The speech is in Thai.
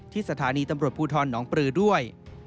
ที่สถานีตำรวจผู้ทนน้องปรือด้วย